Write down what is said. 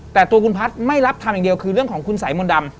แต่ตัวคุณพัฒน์ไม่รับทำอย่างเดียวคือเรื่องของคุณสายมนต์ดำ